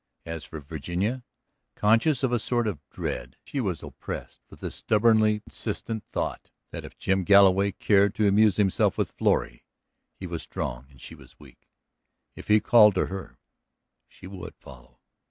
As for Virginia, conscious of a sort of dread, she was oppressed with the stubbornly insistent thought that if Jim Galloway cared to amuse himself with Florrie he was strong and she was weak; if he called to her she would follow.